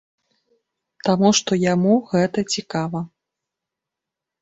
Таму што яму гэта цікава.